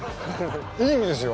いい意味ですよ。